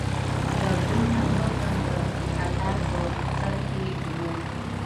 له دوی نه یو تن د کتار په سر کې و.